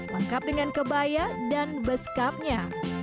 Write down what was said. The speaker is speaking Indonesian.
lengkap dengan kebaya dan beskapnya